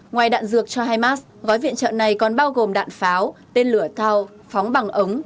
ngoài đạn dược cho hamas gói viện trợ này còn bao gồm đạn pháo tên lửa thao phóng bằng ống